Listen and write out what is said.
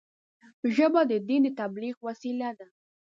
ژبه د دین د تبلیغ وسیله ده